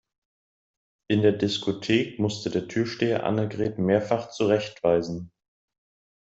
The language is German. In der Diskothek musste der Türsteher Annegret mehrfach zurechtweisen.